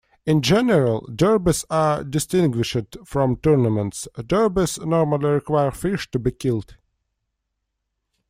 In general, derbies are distinguished from tournaments; derbies normally require fish to be killed.